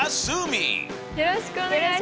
よろしくお願いします。